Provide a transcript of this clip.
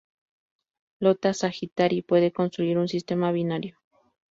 Iota Sagittarii puede constituir un sistema binario.